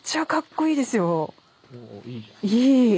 いい！